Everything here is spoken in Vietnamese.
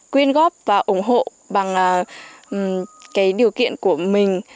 quyên góp và ủng hộ bằng điều kiện của mình